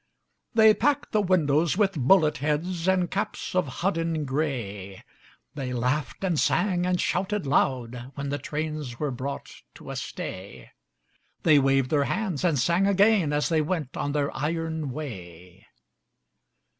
They packed the windows with bullet heads And caps of hodden gray; They laughed and sang and shouted loud When the trains were brought to a stay; They waved their hands and sang again As they went on their iron way.